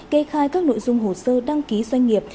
kê khai các nội dung hồ sơ đăng ký doanh nghiệp